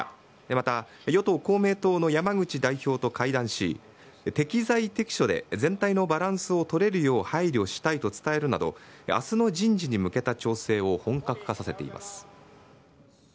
また、与党、公明党の山口代表と会談し、適材適所で全体のバランスを取れるよう配慮したいと伝えるなど、あすの人事に向けた調整を本格化させています。